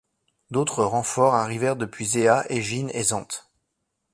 D'autres renforts arrivèrent depuis Zéa, Égine et Zante.